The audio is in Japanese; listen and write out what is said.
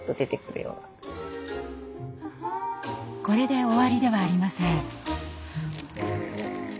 これで終わりではありません。